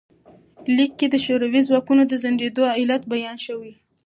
لیک کې د شوروي ځواکونو د ځنډیدو علت بیان شوی.